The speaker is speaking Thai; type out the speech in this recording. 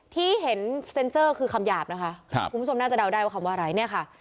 ที่เห็นเซ็นเซอร์คือคำหยาบนะคะครับคุณผู้ชมน่าจะเดาได้ว่าคำว่าอะไรเนี่ยค่ะ